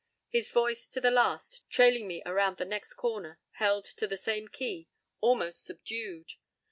His voice to the last, trailing me around the next corner, held to the same key, almost subdued.